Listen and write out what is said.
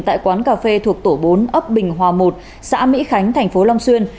tại quán cà phê thuộc tổ bốn ấp bình hòa một xã mỹ khánh thành phố long xuyên